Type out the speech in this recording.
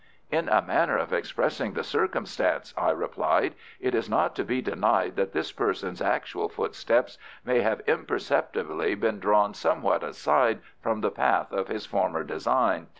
"In a manner of expressing the circumstance," I replied, "it is not to be denied that this person's actual footsteps may have imperceptibly been drawn somewhat aside from the path of his former design.